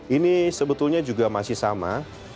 ini sebetulnya juga masih sama